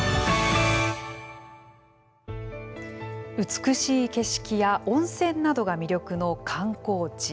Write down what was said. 美しい景色や温泉などが魅力の観光地。